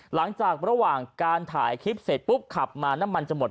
หลังจากระหว่างการถ่ายคลิปเสร็จปุ๊บขับมาน้ำมันจะหมด